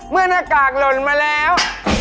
เมื่อหน้ากากหล่นมาแล้ว